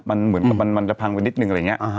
มันเหมือนกับมันจะพังไปนิดนึงอะไรอย่างนี้